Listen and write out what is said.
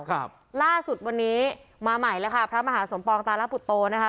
ครับล่าสุดวันนี้มาใหม่แล้วค่ะพระมหาสมปองตาลปุตโตนะคะ